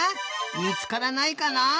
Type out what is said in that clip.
みつからないかな？